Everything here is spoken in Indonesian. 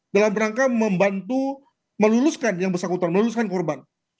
dalam rangka membantu meluluskan yang bersangkutan meluluskan korban